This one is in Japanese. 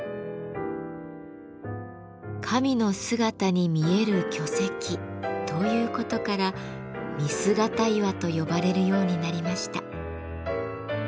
「神の姿に見える巨石」ということから御姿岩と呼ばれるようになりました。